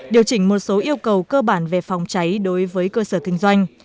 điều chỉnh một số yêu cầu cơ bản về phòng cháy đối với cơ sở kinh doanh